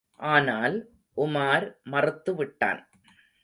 ஆனால், உமார் மறுத்து விட்டான்.